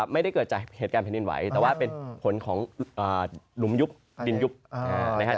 ไม่ได้เกิดจากเหตุการณ์แผ่นดินไหวแต่ว่าเป็นผลของหลุมยุบดินยุบนะครับ